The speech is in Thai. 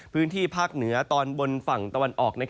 พื้นที่ภาคเหนือตอนบนฝั่งตะวันออก